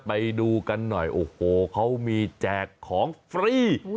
ไปดูกันหน่อยโอ้โหเขามีแจกของฟรี